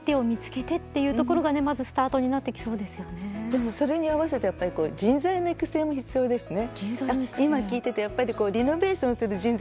でもそれに合わせてやっぱり人材の育成も必要ですね。